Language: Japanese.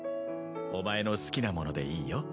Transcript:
お前の好きなものでいいよ。